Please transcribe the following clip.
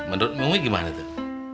menurut umi gimana tuh